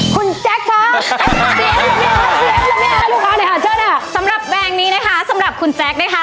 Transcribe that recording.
คุณแจ็คคะสำหรับแปลงนี้นะคะสำหรับคุณแจ็คนะคะ